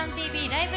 ライブ！